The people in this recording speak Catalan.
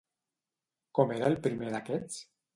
Com era el primer d'aquests?